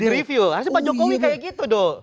di review harusnya pak jokowi kayak gitu dong